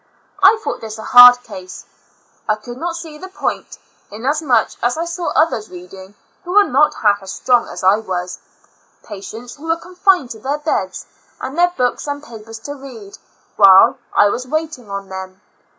I thought this a hard case. I could not see the point, inasmuch as I saw others reading who were not half as strong as I was — patients Avho were confined to their beds had their books and papers to read, while I was waitino^ on them.